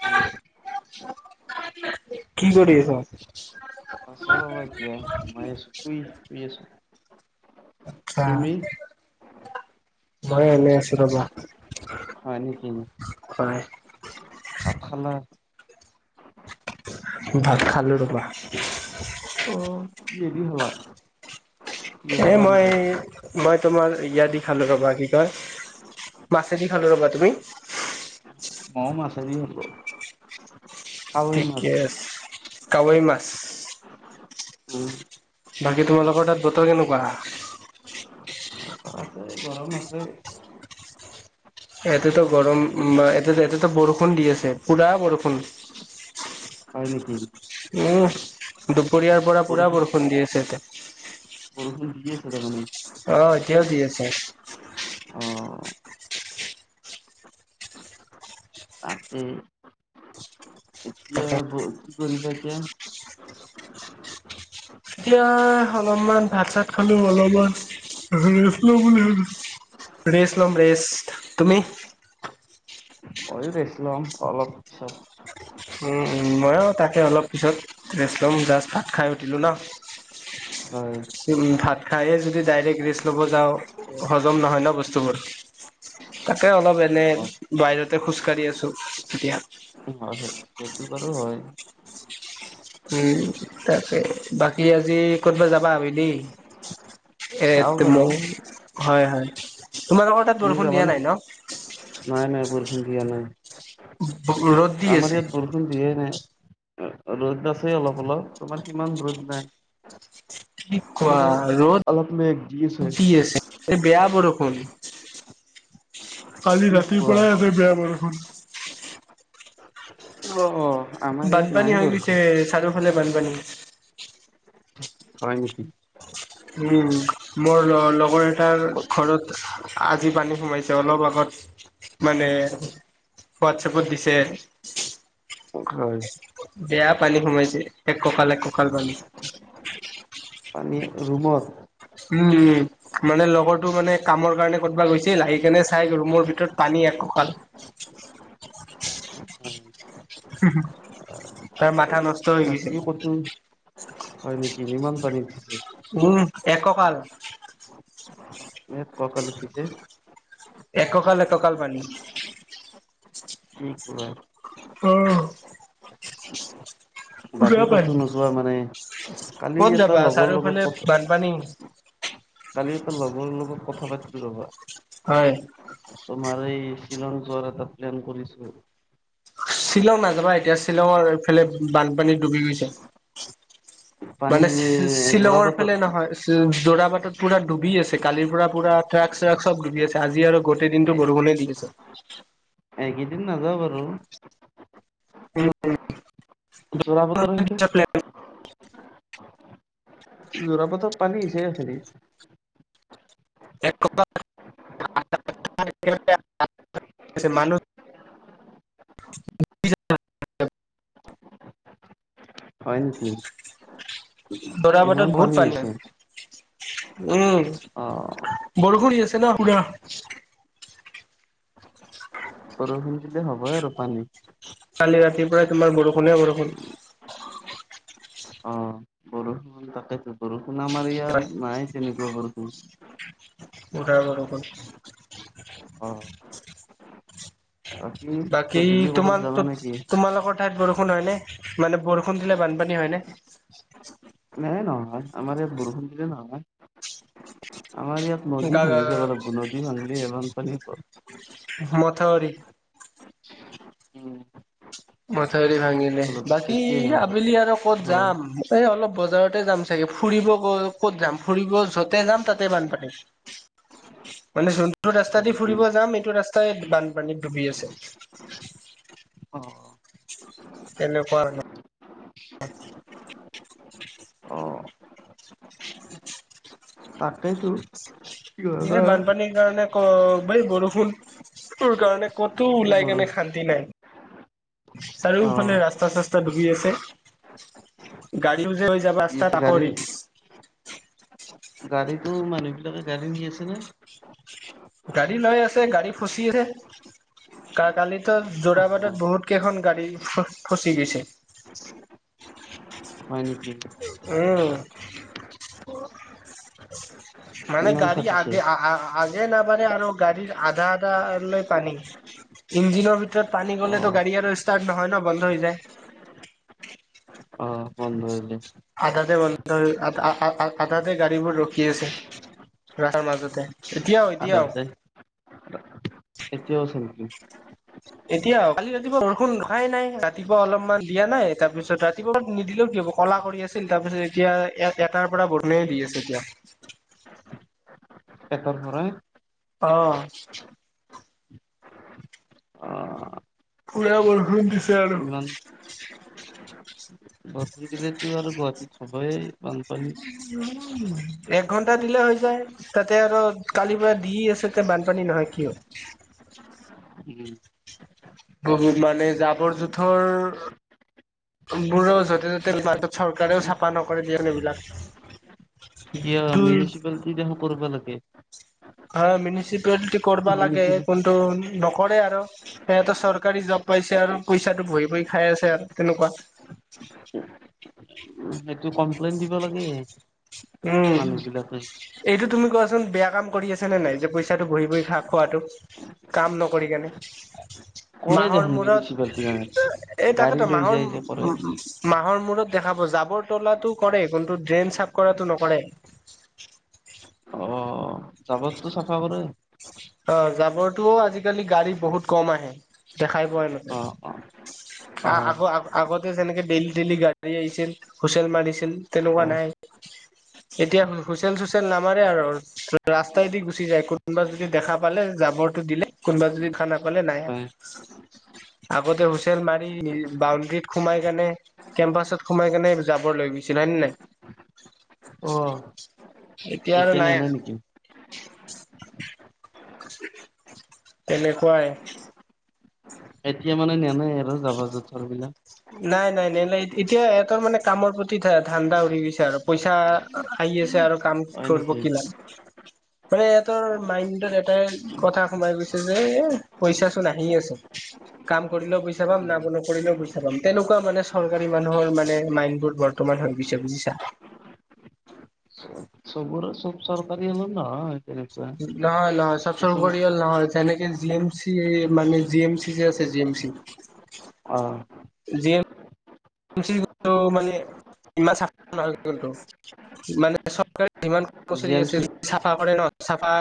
শুনিছো। কি কৰি আছ? আছো ৰ'বা এতিয়া সোমাই আছো শুই শুই আছো। আচ্ছা তুমি মই এনে আছো ৰবা। হয় নেকি? হয়। ভাত খালা? ভাত খালোঁ ৰবা। অ'। কিহৰ এই মই। আঞ্জা মই তোমাৰ য়াদি খালো ৰবা, কি কয় মাছেদি খালো ৰবা তুমি? ম মছাৰ আক [unintelligible] ঠিকে আছে কাৱৈ মাছ। উম, বাকী তোমালোকৰ তাত বতৰ কেনেকুৱা? এই গৰম আছে। এয়াতেতো গৰম উম, বা এতেতো বৰষুণ দি আছে, পুৰা বৰষুণ। হয় নেকি? উম, দুপৰীয়াৰ পৰা পুৰা বৰষুণ দি আছে এতিয়া। বৰষুণ দি আছে তাৰ মানে? অ' এতিয়াও দি আছে। অ তাতে। এতিয়া বা কি কৰিবা এতিয়া? এতিয়া অলপমান ভাত চাত খালো, অলপমান ৰেষ্ট লও বুলি ভাবো। ৰেচ লম ৰেচ তুমি? ময়ো ৰেচ লম অলপ পিছত। উম উম ময়ো তাকে অলপ পিছত ৰেষ্ট ল'ম জাষ্ট ভাত খাই উঠিলোঁ ন হয় উম ভাত খায়ে যদি ডাইৰেক্ট ৰেষ্ট ল'ব যাওঁ হজম নহয় ন বস্তুবোৰ তাকে অলপ অ এনে বাহিৰতে খোজকাঢ়ি আছো এতিয়া উম হয় হয়। সেইটো বাৰু হয় উম তাৰে বাকী আজি ক'তবা যাবা আবেলি এ চাও বাৰু টোমৌ হয় হয় তোমালোকৰ তাত তুমি বৰষুণ যাবা দিয়া নে? নাই ন? নাই নাই বৰষূণ দিয়া নাই ৰ'দ দি আমাৰ আছে। ইয়াত বৰষুণ দিয়ে নাই ৰ'দ আছে অলপ অলপ তোমৰ সিমান ৰ'দ নাই কি কোৱা মানে অলপ মেঘ আছে ৰ'দ দি আছে এ বেয়া বৰষুণ কালি কি ৰাতিৰ কোৱা পৰাই আছে বেয়া বৰষুণ। অ' অ' আমাৰ ইয়াত নাই বৰষুণ চাৰুফালে বানপানী। হয় নেকি উম মোৰ ল লগৰ এটাৰ ঘৰত আজি পানী সোমাইছে অলপ আগত মানে হোৱাটছেএপত দিছে হয় বেয়া পানী সোমাইছে, এক কঁকাল, এক কঁকাল পানী। পানী ৰুমত উম উম মানে লগৰটো মানে কামৰ কাৰণে ক'তবা গৈছিল আহি কেনে চাই ৰুমৰ ভিতৰত পানী এক কঁকাল উম তাৰ মাথা নষ্ট। হৈ গৈছে। বাকী ক'তো হয় নেকি ইমান পানী উঠিছে উম এক কঁকাল এ পকা লিখিছে এককাল এককাল পানী কি কোৱা? অ', বাকী পুৰা পানী ক'তো নোযোৱা মানে কালি এটা লগৰ লগত কথা পানী কালি এটা লগৰ লগত কথা পাতিলো ৰবা হয় তোমাৰ এই শ্বিলং যোৱাৰ এটা প্লেন কৰিছো। শ্বিলং নাযাবা এতিয়া শ্বিলঙৰ এইফালে বানপানী ডুবি গৈছে পানী মানে শ্বি শ্বিলঙৰ ফালে যোৰাবাটত নহয় জো জোৰা বাটত পুৰা ডুবি আছে কালিৰ পৰা পুৰা ট্ৰাক চ্ৰাক চব ডুবি আছে আজি আৰু গোটেই দিনটো বৰষুণে দি আছে এই কেইদিন নাযাওঁ বাৰু যোৰাবাটৰ সেইটো [unintelligible] জোৰা পাতত পানী হৈছে খেৰি [unintelligible] হয় নেকি? জোৰা বাটত ইমান বহুত পানী হৈছে হৈছে উম অ বৰষুণ দি আছে ন পুৰা বৰষুণ দিলে হবই আৰু পানী, কালি ৰাতি পৰাই তোমাৰ বৰষুণে বৰষুণ অ বৰষুণ তাকেতো বৰষুণ আমাৰ ইয়াত নাই তেনেকুৱা বৰষুণ পুৰা বৰষুণ অ'। বাকী বাকী গধূলি ক'ৰবাত তোমান যাবা ত নেকি তোমালোকৰ ঠাইত বৰষুণ হয় নে মানে বৰষুণ দিলে বানপানী হয় নে, এ নহয় আমাৰ ইয়াত বৰষুণ নহয় আমাৰ ইয়াত নদী ভাঙি যাব লাগিব নদী ভাঙিলেহে বানপানী হ'ব মথাউৰি। উম। মথাউৰি ভাঙি ভাঙিলে যাব লাগিব বাকী তেতিয়াহে হ'ব আবেলি আৰু ক'ত হয় যাম। এই অলপ বজাৰতে যাম চাগে ফুৰিব' ক'ত যাম ফুৰিব য'তে যাম তাতে বানপানী [unintelligible] মানে যোনটো ৰাস্তা হয় দি নেকি ফুৰিব যাম এইটো ৰাস্তাই বানপানীত ডুবি আছে। অ তেনেকুৱা হেনো অ তাকেইতো কি হয় এ বা বানপানীৰ কাৰণে ক বৈ বৰষুণটোৰ কাৰণে, ক'তো ওলাই বৰষুণ কেনে খান শান্তি নাই চাৰিওফালে অ', ৰাস্তা চাস্তা ডুবি আছে। গাড়ী জে লৈ যাবা জুপি আছে ৰাস্তাত তাকো গাড়ী ৰিস্ক। গাড়ীতো মানুহ বিলাকে গাড়ী নি আছে নে গাড়ী লৈ আছে গাড়ী ফচি আছে কা কালিতো অ', যোৰাবাটত বহুত কেইখন গাড়ী ফ-ফচি গৈছে। হয় নেকি উম। মানে ইমান গাড়ী ফাচিছে আগে আগে নাবাঢ়ে আৰু গাড়ীৰ আধা আধা লৈ পানী। ইঞ্জিনৰ ভিতৰত পানী গ'লেতো অ', গাড়ী আৰু ষ্টাৰ্ট নহয় ন বন্ধ হৈ যায় অ বন ধ হৈ যায় আধাতে বন্ধ আ আ আধাতে গাড়ীবোৰ ৰখি আছে ৰাস্তাৰ মাজতে এতিয়াও এতিয়াও আধাতে এতিয়াও আছে নেকি এতিয়াও কালি ৰাতিপুৱা বৰষুণ ৰখাই নাই ৰাতিপুৱা অলপমান দিয়া নাই তাৰপিছত ৰা ৰাতিপুৱা নিদিলেও কি হব কলা কৰি আছিল তাৰপিছত এতিয়া এটাৰ পৰা বৰষুণে দি আছে এতিয়া [unintelligible] অ অ', পুৰা বৰষুণ দিছে আৰু ইমান বৰষুণ দিলেতো আৰু গুৱাহাটীত হবই বানপানী এক ঘন্টা দিলে হৈ যায় তাতে আৰু কালিৰ পৰা দি আছে একে বানপানী নহয় কিয় উম বহুত মানে জাবৰ জোথৰ বোৰৰ যতে-ত'তে তেল মাতটোত চৰকাৰেও চাফা নকৰে দিয়ক এইবিলাক। ক দুই মিউনিচিপালিটি দেখো কৰিব লাগে। আ মিউনিচিপালিটি কৰিব লাগে। মিউনিচিপ কোনটো- নকৰে আৰু সিহঁতৰ চৰকাৰী জব পাইছে আৰু পইচাটো বহি খাই আছে আৰু তেনেকুৱা। সেইটো কমপ্লেইন দিব লাগে। উমঁ। মানুহ বিলাকে এইটো তুমি কোৱাচোন বেয়া কাম কৰি আছে নে নাই যে পইচাটো বহি বহি খা খোৱাটো। কাম নকৰি কেনে। কৰে মাহৰ দেখোন মিউনিচিপালিটি মূৰত এই গাড়ী তাকেতো লৈ যায় যে কৰে মাহৰ- মাহৰ মূৰত দেখাব জাবৰ তলাটো কৰে কিন্তু ড্ৰেইন চাফ কৰাটো নকৰে। জাবৰতো চাফা কৰে। অ জাবৰতো আজিকালি গাড়ী বহুত কম আহে দেখাই পোৱা নেজাই। অ', অ'। অ', আগ আগতে যেনেকে ডেইলি ডেইলি গা ধুই আহিছিল। হুচেল মাৰিছিল তেনেকুৱা হয়, নাই। এতিয়া হুইচেল চুইচেল নামাৰে আৰু ৰাস্তাইদি গুচি যায়। কোনোবা- যদি দেখা পালে জাবৰটো দিলে কোনোবা যদি দেখা নাপালে নাই। হয়। আগতে হুইছেল মাৰি বাউণ্ডেৰীত সোমাই কেনে- কেম্পাচত সোমাই কেনে জাবৰ লৈ গৈছিল হয় নে নাই। অঁহ। এতিয়া আৰু নাই আৰু। তেনেকুৱাই। এতিয়া মানে নিনিয়ে আৰু জাবৰ-জোথৰ বিলাক। নাই নাই নাই নিনিয়ে। এতিয়া ইহঁতৰ মানে কামৰ প্ৰতি ধান্ধা উৰি গৈছে আৰু পইচা- আহি আছে আৰু কাম হয় কৰিব নেকি? কি নাই। মানে ইহঁতৰ মাইণ্ডত এটাই কথা সোমাই গৈছে যে এ পইচা চোন আহি আছে। কাম কৰিলেও পইচা পাম উম, নকৰিলেও পইচা- পাম, তেনেকুৱা মানে চৰকাৰী মানুহৰ মানে মাইন বোৰ বৰ্তমান হৈ গৈছে বুজিছা। চবৰে চব চৰকাৰী হ'লেও নহয়। তেনেকুৱা। নহয় নহয় চবচৰ কিছুমান পৰিয়াল নহয়। তেনেকে জিম- মানে জি এম চি যে আছে জি এম চি- অ। জি এম- চি মানে ইমান নহয় কিন্তু মানে চৰকাৰে সিমান- জি কৰ্মচাৰী এম আছে চি চাফা কৰে ন চাফা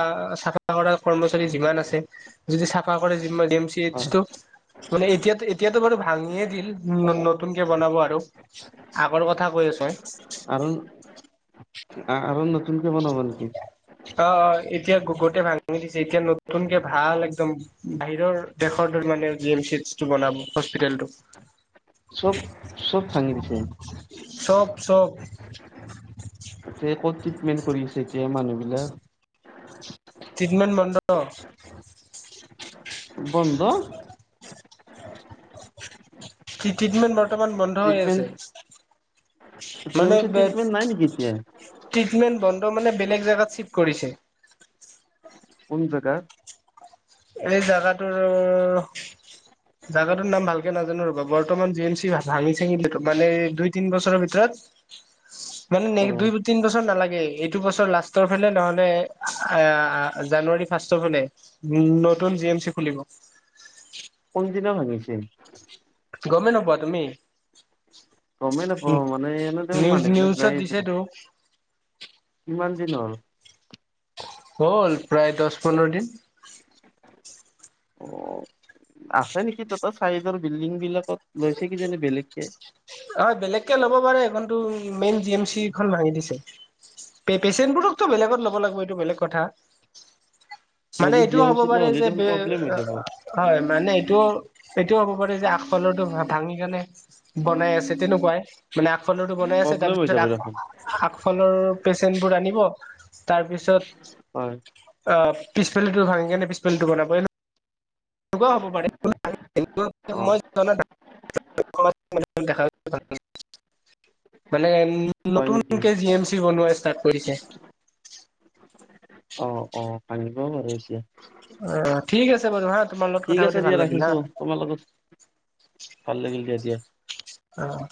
চাফা কৰা কৰ্মচাৰী যিমান আছে- যদি চাফা কৰে জি এম চি হয় এইচটো। মানে এতিয়াতো এতিয়াতো বাৰু ভাঙিয়ে দিল ন নতুন- কে বনাব আৰু আগৰ কথা কৈ আছো মই। আৰু আৰু নতুনকে বনাব নেকি? অ অ এতিয়া গোটেই ভাঙি দিছে এতিয়া নতুনকে ভাল একদম বাহিৰৰ দেশৰ ধৰি মানে জি এম এইচটো বনাব হস্পিটেলতো। চব চব ভাঙি দিছে। চব চব। ক'ত ট্ৰিটমেন্ট কৰিছে এতিয়া মানুহ বিলাক? টিটমেন্ট বন্ধ। বন্ধ। কি ট্ৰিটমেণ্ট বৰ্তমান বন্ধ হৈ ট্ৰিটমেণ্ট আছে। জি এম চে টিপমেণ্ট নেকিতিয়া। ট্ৰিটমেণ্ট বন্ধ মানে বেলেগ জেগাত চিফ্ট কৰিছে। কোন জেগাত এই জাগাটোৰ অ জাগাতটো নাম ভালে নাজানো ৰ'বা বৰ্তমান জি এম চি হাঙি চাঙি মানে দুই তিন বছৰৰ ভিতৰত [unintelligible] মানে নেক্স অ', দুই তিন বছৰ নালাগে এইটো বছৰ লাষ্টৰ ফালে নহলে আ জানুৱাৰী ফাৰ্ষ্টৰফালে উ নতুন জি এম চি খুলিব। কোনদিনা ভাঙিছিল। গমেই নপোৱা তুমি? গমেই উ নাপাওঁ মানে এনে দেখোন নিউজ মানুহ বিলাক নিউজত যাই আছে। দিছেটো। কিমান দিনৰ হ'ল? হ'ল প্ৰায় দহ পোন্ধৰ দিন। অ' আছে নেকি তাততে চাইডৰ বিল্ডিং বিলাকত লৈছে কিজানি বেলেগকে। হয় বেলেগকে ল'ব পাৰে এইখনো মেইন জি এম চিখন ভাঙি দিছে। পেচেণ্টবোৰকতো বেলেগত ল'ব লাগিব এইটো বেলেগ কথা। মানে নহ'লে জি এইটোও এম হ'ব চি পাৰে নহ'লে যে দেখোন বে প্ৰব্লেম হৈ যাব। হয় মানে এইটো এইটোও হ'ব পাৰে। যে আগফালৰো ভাঙি কেনে বনাই আছে। সেই তেনেকুৱাই মানে আগফালেটো বনাই আছে। তাৰ প্ৰব্লেম হৈ পিছত যাব দেখোন আ- আগফালৰ পেচেণ্টবোৰ আনিব তাৰপিছত। হয়। অ পিছালিটো ভাঙিকেনে পিছফালিটো বনাবই ন তেনেকুৱা হ'ব পাৰেই [unintelligible] [unintelligible] অ' অ মানে উম হয় নেকি? নতুনকে জি এম চি বনোৱা ষ্টাৰ্ট কৰিছে। অ' অ ভাঙিবও পাৰে এতিয়া। অ ঠিক আছে বাৰু হা তোমাৰ লগত ঠিক কথা আছে পাতি দিয়া ভাল লাগিল ৰাখিছো, হা। তোমাৰ লগত ভাল লাগিল দে এতিয়া। অ